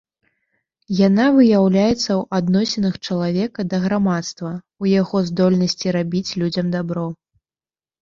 Яна выяўляецца ў адносінах чалавека да грамадства, у яго здольнасці рабіць людзям дабро.